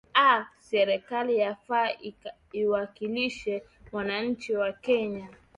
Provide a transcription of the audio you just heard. aa serikali yafaa iwakilishe wananchi wa kenya